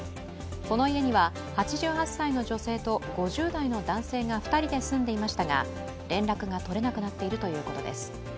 この家には８８歳の女性と５０代の男性が２人で住んでいましたが連絡が取れなくなっているということです。